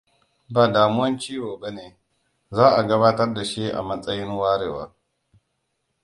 """Ba damuwan ciwo ba ne"" za a gabatar da shi a matsayin ""Warewa""."